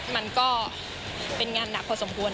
มันก็เป็นงานหนักพอสมควร